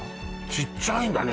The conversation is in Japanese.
ちっちゃいんだね